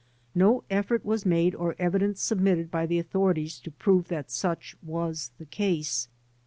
No effort was made or evidence submitted by the authorities to prove that such was the case.